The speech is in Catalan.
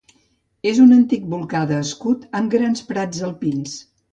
És un antic volcà d'escut amb grans prats alpins.